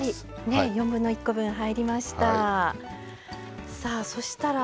４分の１個分、入りました。